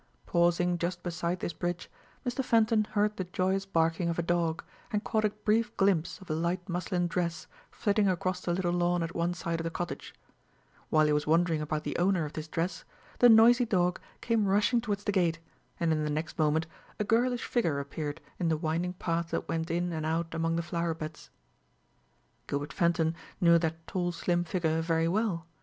Pausing just beside this bridge, Mr. Fenton heard the joyous barking of a dog, and caught a brief glimpse of a light muslin dress flitting across the little lawn at one side of the cottage While he was wondering about the owner of this dress, the noisy dog came rushing towards the gate, and in the next moment a girlish figure appeared in the winding path that went in and out among the flower beds. Gilbert Fenton knew that tall slim figure very well.